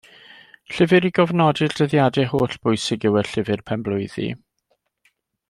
Llyfr i gofnodi'r dyddiadau hollbwysig yw Y Llyfr Penblwyddi.